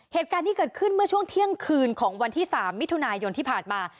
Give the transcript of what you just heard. เหตุการณ์ที่เกิดขึ้นเมื่อช่วงเที่ยงคืนของวันที่๓มิถุนายนที่ผ่านมา